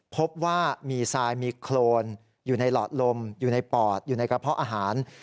พบว่ามีทรายมีโครนอยู่ในหลอดลมอยู่ในปอดอยู่ในกระเพาะอาหาร